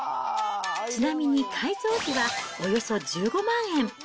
ちなみに改造費は、およそ１５万円。